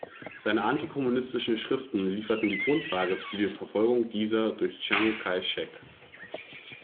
Seine antikommunistischen Schriften lieferten die Grundlage für die Verfolgung dieser durch Chiang Kai-shek.